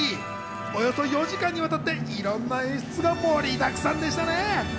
およそ４時間にわたって、いろんな演出が盛りだくさんでしたよね。